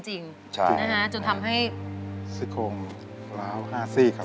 จนทำให้สิทธิ์โครงราว๕๔ครับ